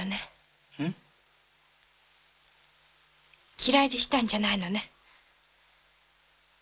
嫌いでしたんじゃないのね。